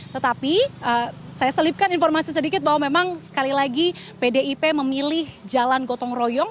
tetapi saya selipkan informasi sedikit bahwa memang sekali lagi pdip memilih jalan gotong royong